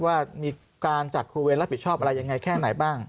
ว่ามีการจัดครูเวรรับผิดชอบอะไรยังไงแค่ไหนบ้าง